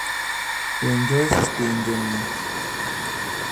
He enjoys his stay in Germany.